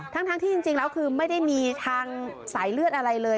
ทั้งที่จริงแล้วคือไม่ได้มีทางสายเลือดอะไรเลย